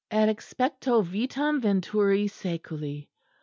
"_Et exspecto vitam venturi saeculi.